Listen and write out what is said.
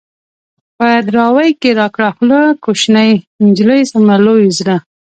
په دراوۍ کې را کړه خوله ـ کوشنۍ نجلۍ څومره لوی زړه